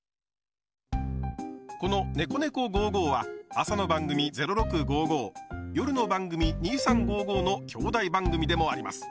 この「ねこねこ５５」は朝の番組「０６５５」夜の番組「２３５５」の兄弟番組でもあります。